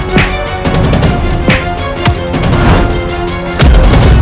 tahanlah pel album olarak